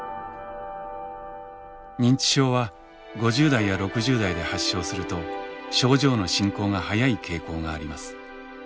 認知症は５０代や６０代で発症すると症状の進行が早い傾向があります。